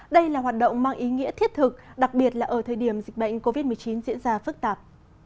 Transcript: đây là hoạt động mang ý nghĩa thiết thực đặc biệt là ở thời điểm dịch bệnh covid một mươi chín diễn ra phức tạp